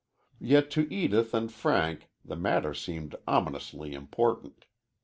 Yet to Edith and Frank the matter seemed ominously important.